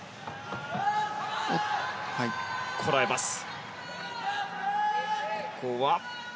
こらえます。